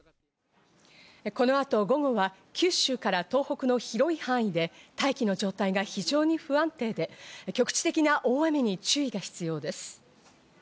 このあと午後は九州から東北の広い範囲で大気の状態が非常に不安定で、局地的な大雨に注意が必要です。